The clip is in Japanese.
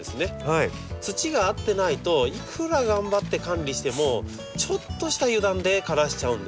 土が合ってないといくら頑張って管理してもちょっとした油断で枯らしちゃうんですよ。